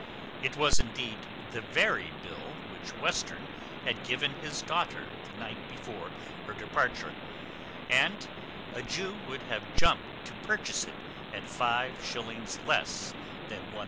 It was, indeed, the very bill which Western had given his daughter the night before her departure; and a Jew would have jumped to purchase it at five shillings less than £100.